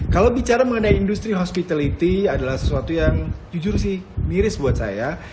kalau bicara mengenai industri hospitality adalah sesuatu yang jujur sih miris buat saya